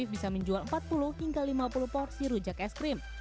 bisa menjual empat puluh hingga lima puluh porsi rujak es krim